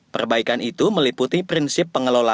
perbaikan itu meliputi prinsip pengelolaan